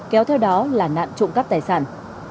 kéo theo đó là nạn trụng cắp tài sản